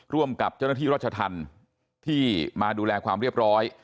ร่วมกับเจ้าหน้าที่รัชธรรมที่มาดูแลความเรียบร้อย